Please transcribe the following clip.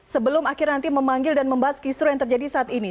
sebelum akhir nanti memanggil dan membahas kisru yang terjadi saat ini